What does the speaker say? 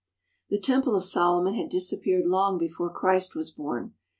The Temple of Solomon had disappeared long before Christ was born.